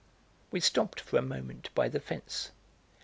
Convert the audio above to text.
We stopped for a moment by the fence.